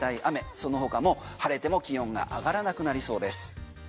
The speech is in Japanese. その他も晴れても気温が上がらなくなりそうです。